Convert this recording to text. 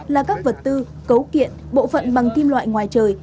là các vật tư cấu kiện bộ phận bằng kim loại ngoài trời